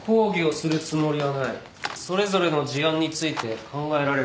それぞれの事案について考えられる法律上の問題点